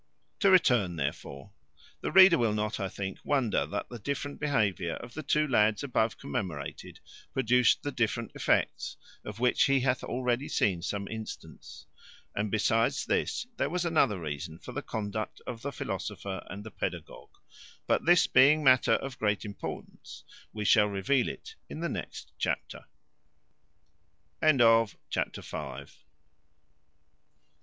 To return therefore: the reader will not, I think, wonder that the different behaviour of the two lads above commemorated, produced the different effects of which he hath already seen some instance; and besides this, there was another reason for the conduct of the philosopher and the pedagogue; but this being matter of great importance, we shall reveal it in the next chapter. Chapter vi.